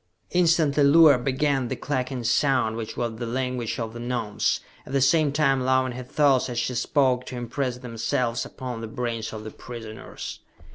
Instantly Luar began the clucking sound which was the language of the Gnomes, at the same time allowing her thoughts as she spoke to impress themselves upon the brains of the prisoners.